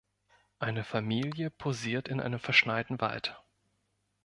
Eine Familie posiert in einem verschneiten Wald.